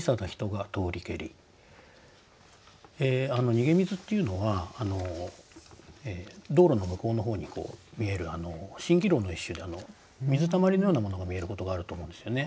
「逃水」っていうのは道路の向こうの方に見える蜃気楼の一種で水たまりのようなものが見えることがあると思うんですよね。